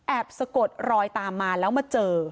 สะกดรอยตามมาแล้วมาเจอ